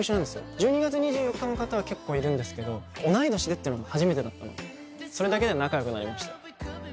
１２月２４日の方は結構いるんですけど同い年でってのが初めてだったのでそれだけで仲良くなりました。